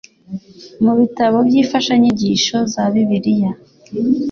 mu bitabo by'imfashanyigisho za Bibiliya,